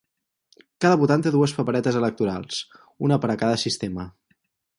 Cada votant té dues paperetes electorals, una per a cada sistema.